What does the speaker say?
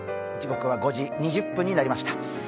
時刻は５時２０分になりました。